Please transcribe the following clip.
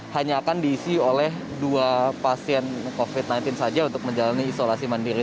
hanya akan diisi oleh dua pasien covid sembilan belas saja untuk menjalani isolasi mandiri